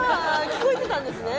聞こえてたんですね？